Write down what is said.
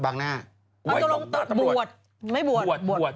บางหน้าบวดไม่บวดบวดบวดบวดบวดบวด